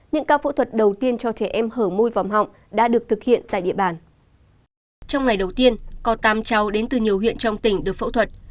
những ca phẫu thuật đầu tiên cho trẻ em hở môi vòng họng đã được thực hiện tại địa bàn